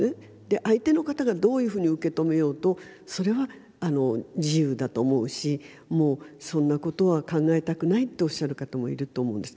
で相手の方がどういうふうに受け止めようとそれは自由だと思うしもうそんなことは考えたくないっておっしゃる方もいると思うんです。